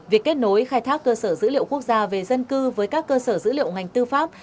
việc kết nối khai thác cơ sở dữ liệu quốc gia về dân cư với các cơ sở dữ liệu ngành tư pháp